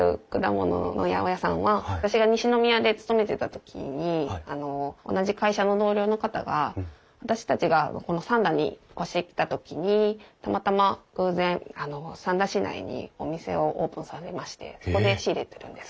私が西宮で勤めてた時に同じ会社の同僚の方が私たちがこの三田に越してきた時にたまたま偶然三田市内にお店をオープンさせましてそこで仕入れてるんです。